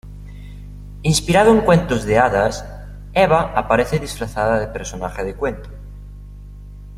Inspirado en cuentos de hadas, Eva aparece disfrazada de personaje de cuento.